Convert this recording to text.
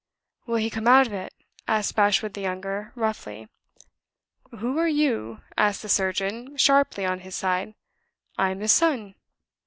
"Will he come out of it?" asked Bashwood the younger, roughly. "Who are you?" asked the surgeon, sharply, on his side. "I am his son."